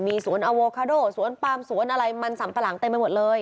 มีสวนอโวคาโดสวนปามสวนอะไรมันสำปะหลังเต็มไปหมดเลย